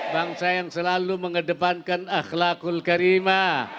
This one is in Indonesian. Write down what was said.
bangsa selalu mengedepankan akhlaqul karima